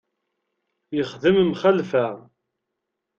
Yexdem mxalfa.